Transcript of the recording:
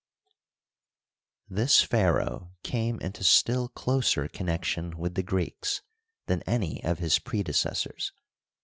This pharaoh came into still closer connection with the Greeks tnan any of his predecessors.